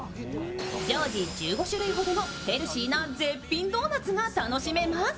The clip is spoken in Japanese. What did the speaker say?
常時１５種類ほどのヘルシーな絶品ドーナツが楽しめます。